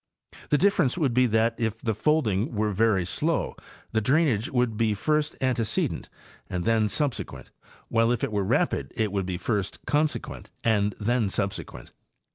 The difference would be that if the folding were very slow the drainage would be first antecedent and then subse quent, while if it were rapid it would be first consequent and then subsequent.